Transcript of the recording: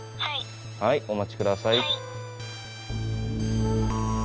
はいお待ち下さい。